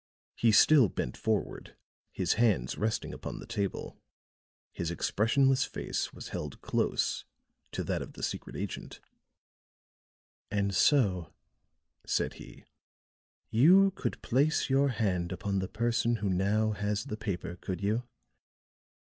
He still bent forward, his hands resting upon the table; his expressionless face was held close to that of the secret agent. "And so," said he, "you could place your hand upon the person who now has the paper, could you?